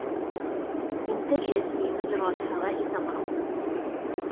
إِنْ تَجْلِسْ فِي مَجْرَى الْهَوَاءِ تَمْرَضْ.